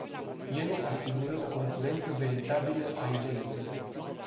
Ele asigură o concurență veritabilă a ideilor.